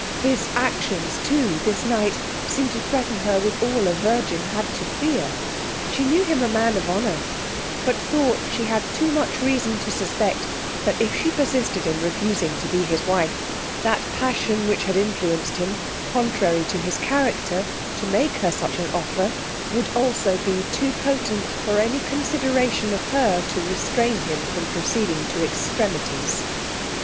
His actions too, this night, seem'd to threaten her with all a virgin had to fear. She knew him a man of honour, but thought she had too much reason to suspect that if she persisted in refusing to be his wife, that passion which had influenced him, contrary to his character, to make her such an offer, would also be too potent for any consideration of her to restrain him from proceeding to extremities.